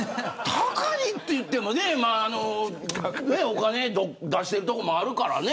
高いといってもね、お金を出してるところもあるからね。